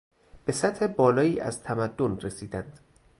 به سطح بالایی از تمدن رسیدند.